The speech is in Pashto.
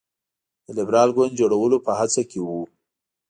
د لېبرال ګوند جوړولو په هڅه کې وو.